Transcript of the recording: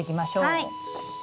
はい。